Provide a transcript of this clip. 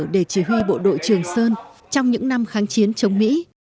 để chỉ huy bộ đội trường sơn trong những năm kháng chiến chống mỹ